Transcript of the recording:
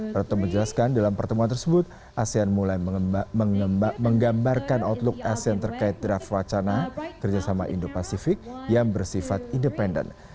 retno menjelaskan dalam pertemuan tersebut asean mulai menggambarkan outlook asean terkait draft wacana kerjasama indo pasifik yang bersifat independen